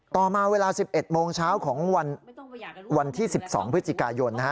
ต่อมาเวลา๑๑โมงเช้าของวันที่๑๒พฤศจิกายน